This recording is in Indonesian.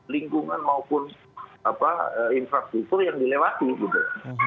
lingkungan maupun infrastruktur yang dilewati gitu